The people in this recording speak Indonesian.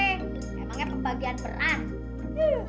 emangnya pembagian berat